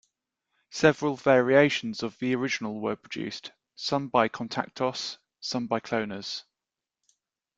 Several variations of the original were produced, some by Contactos, some by cloners.